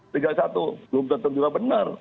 belum tentu juga bener